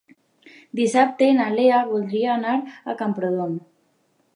Dissabte na Lea voldria anar a Camprodon.